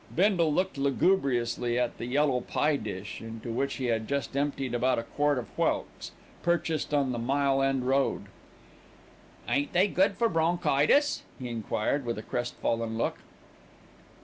Bindle looked lugubriously at the yellow pie dish into which he had just emptied about a quart of whelks, purchased in the Mile End Road. "Ain't they good for bronchitis?" he enquired with a crestfallen look.